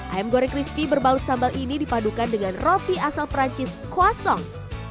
ayam goreng crispy berbalut sambal ini dipadukan dengan roti asal perancis kwasong